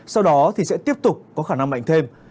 sau đó thì sẽ tiếp tục có khả năng mạnh thêm